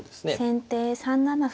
先手３七歩。